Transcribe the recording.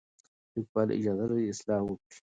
لیکوال اجازه لري اصلاح وکړي.